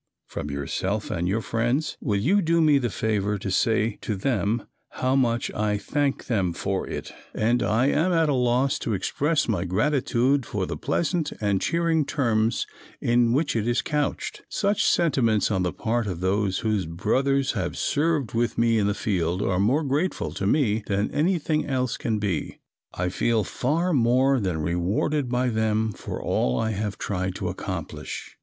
from yourself and your friends. Will you do me the favor to say to them how much I thank them for it, and that I am at a loss to express my gratitude for the pleasant and cheering terms in which it is couched. Such sentiments on the part of those whose brothers have served with me in the field are more grateful to me than anything else can be. I feel far more than rewarded by them for all I have tried to accomplish.